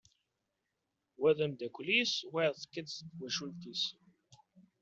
Wa d amddakel-is wayeḍ tekka-d seg twacult-is.